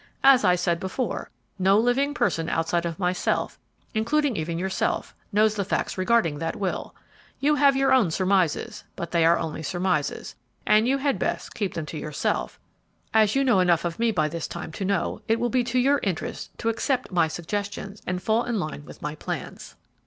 As I said before, no living person outside of myself, including even yourself, knows the facts regarding that will. You have your own surmises, but they are only surmises, and you had best keep them to yourself as you know enough of me by this time to know it will be to your interest to accept my suggestions and fall in line with my plans."